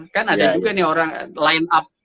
kan ada juga nih orang line up